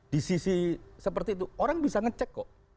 di sisi seperti itu orang bisa ngecek kok